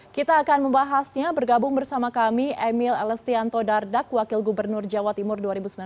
kita akan membahasnya bergabung bersama kami emil elestianto dardak wakil gubernur jawa timur dua ribu sembilan belas dua ribu dua puluh empat